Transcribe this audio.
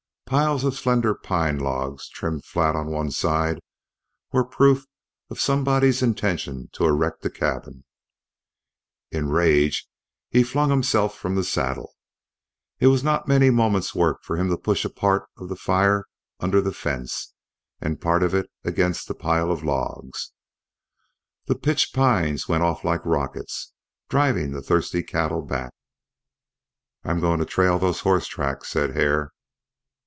Piles of slender pine logs, trimmed flat on one side, were proof of somebody's intention to erect a cabin. In a rage he flung himself from the saddle. It was not many moments' work for him to push part of the fire under the fence, and part of it against the pile of logs. The pitch pines went off like rockets, driving the thirsty cattle back. "I'm going to trail those horse tracks," said Hare.